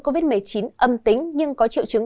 covid một mươi chín âm tính nhưng có triệu chứng